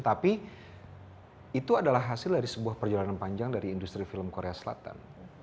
tapi itu adalah hasil dari sebuah perjalanan panjang dari industri film korea selatan